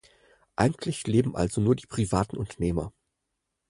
Eigentlich leben also nur die privaten Unternehmer.